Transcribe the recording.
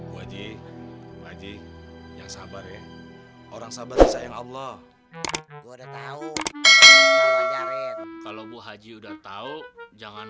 bu aji wajib yang sabar ya orang sabar sayang allah gua udah tahu kalau bu haji udah tahu jangan